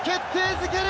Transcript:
づける